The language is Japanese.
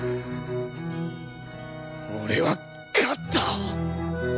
俺は勝った！